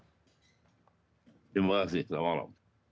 terima kasih selamat malam